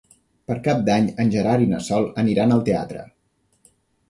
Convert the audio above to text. Per Cap d'Any en Gerard i na Sol aniran al teatre.